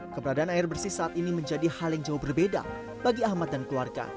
keberadaan air bersih saat ini menjadi hal yang jauh berbeda bagi ahmad dan keluarga